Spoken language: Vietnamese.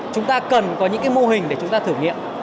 chúng ta cần có những cái mô hình để chúng ta thử nghiệm